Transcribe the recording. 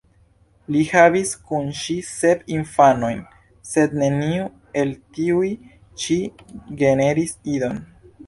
Li havis kun ŝi sep infanojn, sed neniu el tiuj ĉi generis idon.